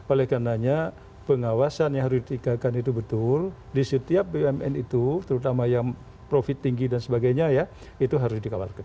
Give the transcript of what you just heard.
oleh karenanya pengawasan yang harus ditingkatkan itu betul di setiap bumn itu terutama yang profit tinggi dan sebagainya ya itu harus dikawalkan